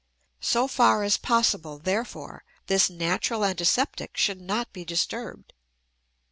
So far as possible, therefore, this natural antiseptic should not be disturbed.